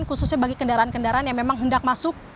khususnya bagi kendaraan kendaraan yang memang hendak masuk